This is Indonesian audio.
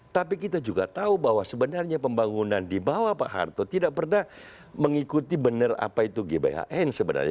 tapi kita juga tahu bahwa sebenarnya pembangunan di bawah pak harto tidak pernah mengikuti benar apa itu gbhn sebenarnya